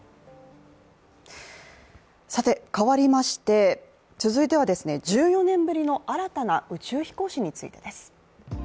変わりまして、続いては１４年ぶりの新たな宇宙飛行士についてです。